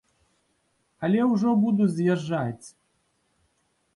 Але ўжо буду з'язджаць.